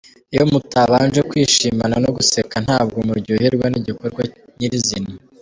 Iyo mutabanje kwishimana no guseka ntabwo muryoherwa n’igikorwa nyir’izina.